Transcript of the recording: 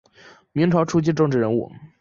明朝初期政治人物。